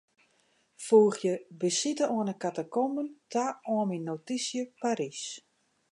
Foegje besite oan 'e katakomben ta oan myn notysje Parys.